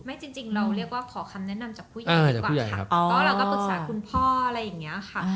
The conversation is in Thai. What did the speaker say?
จริงจริงเราเรียกว่าขอคำแนะนำจากผู้หญิงดีกว่าค่ะก็เราก็ปรึกษาคุณพ่ออะไรอย่างเงี้ยค่ะ